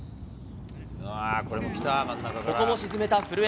ここも沈めた古江。